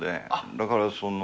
だからその、